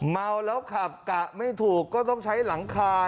เมาแล้วขับกะไม่ถูกก็ต้องใช้หลังคา